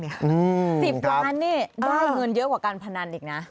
๑๐ล้านนี่ได้เงินเยอะกว่าการพนันอีกนะ